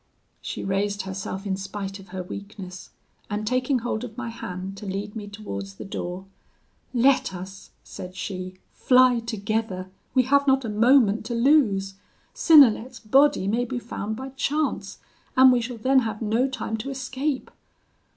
"She raised herself in spite of her weakness, and taking hold of my hand to lead me towards the door: 'Let us,' said she, 'fly together, we have not a moment to lose; Synnelet's body may be found by chance, and we shall then have no time to escape.'